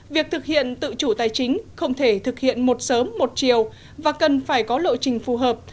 việc thực hiện tự chủ tài chính không thể thực hiện một sớm một chiều và cần phải có lộ trình phù hợp